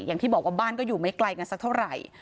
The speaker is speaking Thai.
อย่างที่บอกว่าบ้านก็อยู่ไม่ไกลกันสักเท่าไหร่